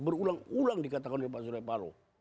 berulang ulang dikatakan oleh pak suryaparo